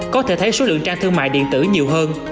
có thể thấy số lượng trang thương mại điện tử nhiều hơn